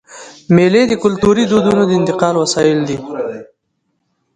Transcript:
مېلې د کلتوري دودونو د انتقال وسایل دي.